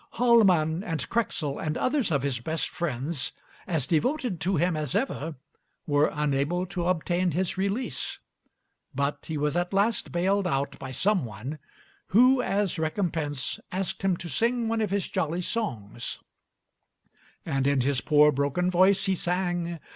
Hallman and Krexel and others of his best friends, as devoted to him as ever, were unable to obtain his release; but he was at last bailed out by some one, who as recompense asked him to sing one of his jolly songs, and in his poor broken voice he sang.